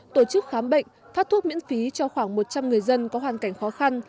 tổ chức khám bệnh phát thuốc miễn phí cho khoảng một trăm linh người dân có hoàn cảnh khó khăn